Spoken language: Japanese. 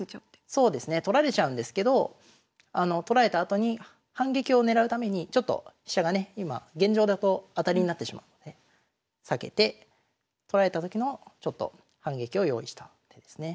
そうですね取られちゃうんですけど取られたあとに反撃を狙うためにちょっと飛車がね今現状だと当たりになってしまうので避けて取られたときの反撃を用意した手ですね。